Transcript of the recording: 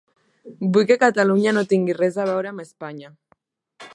Vull que Catalunya no tingui res a veure amb Espanya.